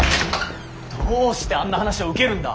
どうしてあんな話を受けるんだ？